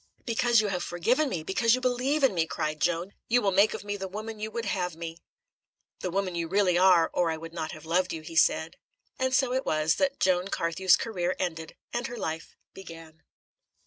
"Because you have forgiven me, because you believe in me," cried Joan, "you will make of me the woman you would have me!" "The woman you really are, or I would not have loved you," he said. And so it was that Joan Carthew's career ended and her life began.